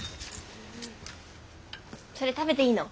それ食べていいの？